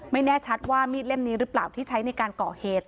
แน่ชัดว่ามีดเล่มนี้หรือเปล่าที่ใช้ในการก่อเหตุ